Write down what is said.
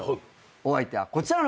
お相手はこちらの方です。